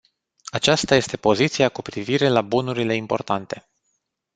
Aceasta este poziția cu privire la bunurile importate.